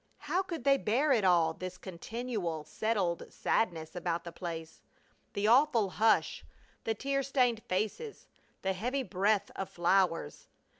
How could they bear it all, this continual settled sadness about the place! The awful hush! The tear stained faces! The heavy breath of flowers!